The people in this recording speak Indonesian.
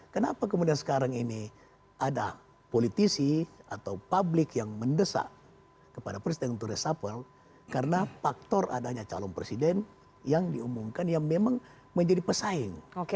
kenapa kemudian sekarang ini ada politisi atau publik yang mendesak kepada presiden untuk resapel karena faktor adanya calon presiden yang diumumkan yang memang menjadi pesaing